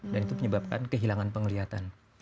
dan itu menyebabkan kehilangan penglihatan